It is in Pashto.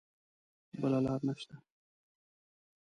بله لاره نه شته.